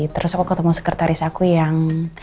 terus aku ketemu sekretaris aku yang